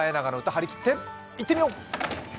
張り切っていってみよう！